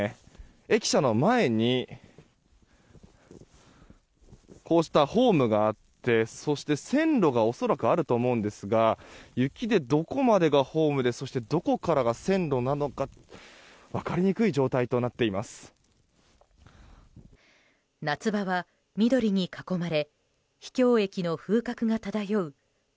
駅舎の前にこうしたホームがあってそして線路が恐らくあると思うんですが雪でどこまでがホームでどこからが線路なのか分かりにくい状態となっています。